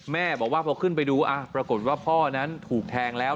แม่บอกว่าพอขึ้นไปดูปรากฏว่าพ่อนั้นถูกแทงแล้ว